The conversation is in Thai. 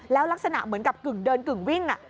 แล้วลักษณะเหมือนกับกึ่งเดินกึ่งวิ่ง